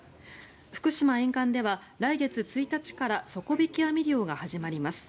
福島沿岸では来月１日から底引き網漁が始まります。